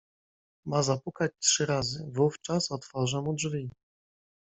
"Ma zapukać trzy razy, wówczas otworzę mu drzwi."